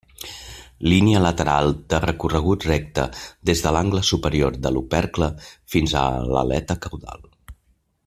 Línia lateral de recorregut recte des de l'angle superior de l'opercle fins a l'aleta caudal.